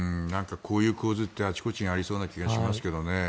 こういう構図ってあちこちにありそうな気がしますけどね。